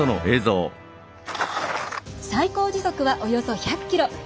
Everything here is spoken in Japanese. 最高時速は、およそ１００キロ。